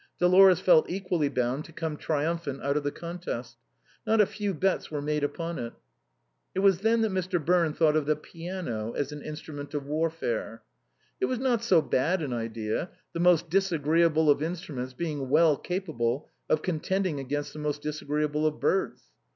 Dolores felt equally bound to come triumphant out of the contest. Not a few bets had been made upon it. It was then that Mr. Birne thought of the piano as an instrument of warfare. It was not so bad an idea, the most disagreeable of instruments being well capable of contend ing against the most disagreeable of birds.